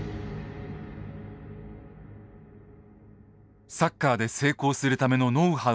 サッカーで成功するためのノウハウを知り尽くした男。